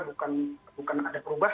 bukan ada perubahan yang lebih baik